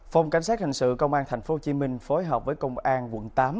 phòng cảnh sát hình sự công an thành phố hồ chí minh phối hợp với công an quận tám